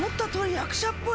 役者っぽい！